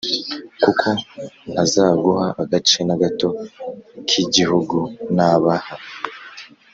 kuko ntazaguha agace na gato k’igihugu nabaha